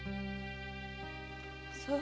そう。